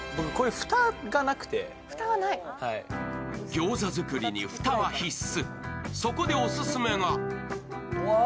ギョーザ作りに蓋は必須。